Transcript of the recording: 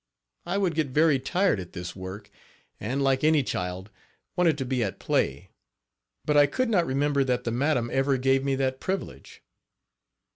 I would get very tired at this work and, like any child, wanted to be at play, but I could not remember that the madam ever gave me that privilege.